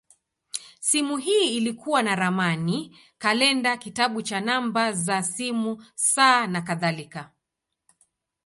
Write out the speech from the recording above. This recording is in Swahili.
Simu hii ilikuwa na ramani, kalenda, kitabu cha namba za simu, saa, nakadhalika.